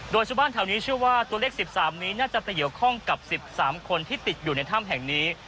โดยชาวบ้านแถวนี้เชื่อว่าตัวเลข๑๓นี้น่าจะไปเกี่ยวข้องกับ๑๓คนที่ติดอยู่ในถ้ำแห่งนี้